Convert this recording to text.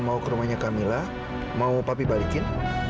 mau ke rumahnya camilla mau papi balikin